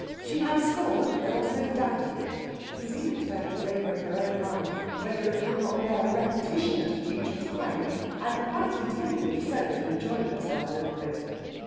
She had scored; there was no doubt of it. She was even turning it over in her own mind whether it would not bear repetition at a future time; and quite intended, if so, to enjoy herself over it.